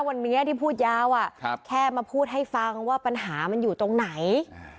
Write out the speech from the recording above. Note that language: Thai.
วันนี้ที่พูดยาวแค่มาพูดให้ฟังว่าปัญหามันอยู่ตรงไหน